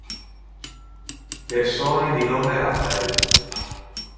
Persone di nome Rafael